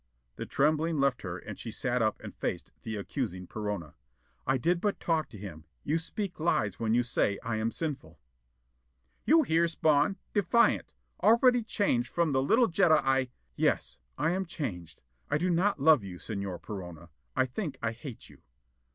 The trembling left her and she sat up and faced the accusing Perona. "I did but talk to him. You speak lies when you say I am sinful." "You hear, Spawn? Defiant: already changed from the little Jetta I " "Yes, I am changed. I do not love you, Señor Perona. I think I hate you."